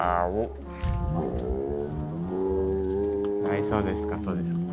はいそうですかそうですか。